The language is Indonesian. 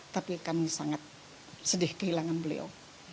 tapi kami sangat sedih kehilangan beliau